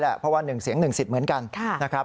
เพราะว่า๑เสียง๑สิทธิ์เหมือนกันนะครับ